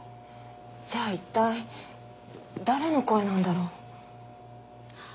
じゃあ一体誰の声なんだろう？